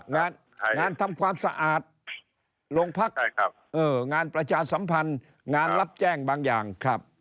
งานทำความสะอาดโรงพักงานประชาสัมพันธ์งานรับแจ้งบางอย่างครับ